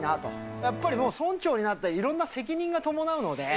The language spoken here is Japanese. やっぱり村長になっていろんな責任が伴うので。